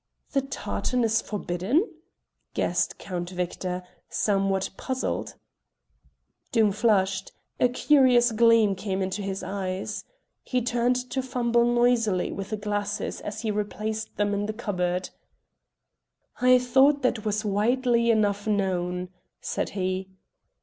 "The tartan is forbidden?" guessed Count Victor, somewhat puzzled. Doom flushed; a curious gleam came into his eyes. He turned to fumble noisily with the glasses as he replaced them in the cupboard. "I thought that was widely enough known," said he.